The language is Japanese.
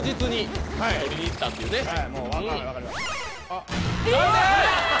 あっ！